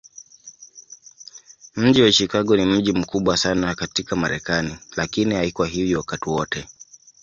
Mji wa Chicago ni mji mkubwa sana katika Marekani, lakini haikuwa hivyo wakati wote.